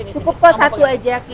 cukup kok satu aja